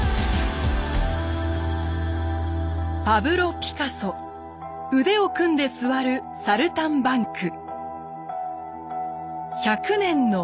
パブロ・ピカソ「腕を組んですわるサルタンバンク」１００年の来歴。